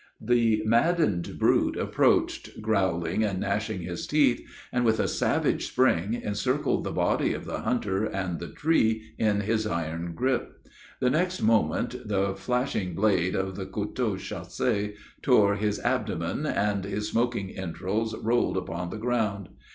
"The maddened brute approached, growling and gnashing his teeth, and, with a savage spring, encircled the body of the hunter and the tree in his iron gripe. The next moment, the flashing blade of the couteau chasse tore his abdomen, and his smoking entrails rolled upon the ground.